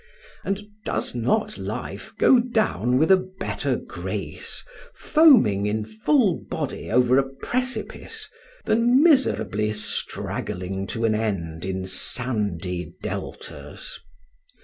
and does not life go down with a better grace, foaming in full body over a precipice, than miserably straggling to an end in sandy deltas?